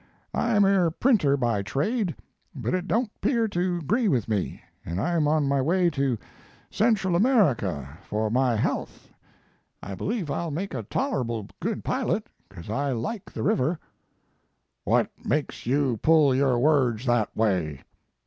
I m er printer by trade, but it don t pear to gree with me, and I m on my way to Central America for my health. I believe 34 Mark Twain I ll make a tolerable good pilot, cause I like the river/ What makes you pull your words that way?